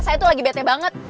saya tuh lagi bete banget